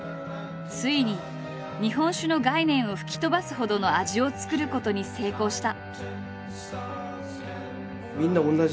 ついに日本酒の概念を吹き飛ばすほどの味を造ることに成功した。